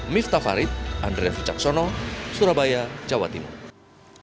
miftah farid andré ficaksono surabaya jawa timur